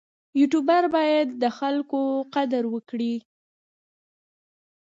یوټوبر باید د خلکو قدر وکړي.